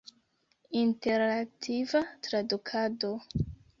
Interaktiva tradukado.